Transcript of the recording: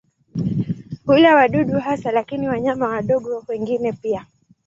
Hula wadudu hasa lakini wanyama wadogo wengine pia.